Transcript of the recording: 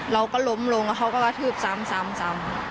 เราก็ล้มลงแล้วเขาก็กระทืบซ้ำ